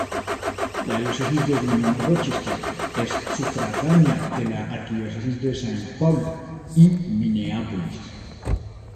La Diócesis de Winona-Rochester es sufragánea de la Arquidiócesis de Saint Paul y Minneapolis.